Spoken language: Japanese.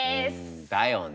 だよね。